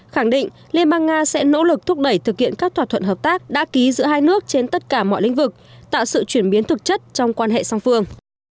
khẳng định liên bang nga sẽ nỗ lực thúc đẩy thực hiện các thỏa thuận hợp tác đã ký giữa hai nước trên tất cả mọi lĩnh vực tạo sự chuyển biến thực chất trong quan hệ song phương